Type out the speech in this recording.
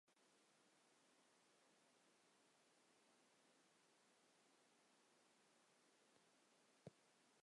মল্লক্রীড়ায় সাফল্যের পুরস্কার স্বরূপ তিনি ভারতের সর্বোচ্চ ক্রীড়া পুরস্কার অর্জুন পুরস্কারে ভূষিত হয়েছিলেন।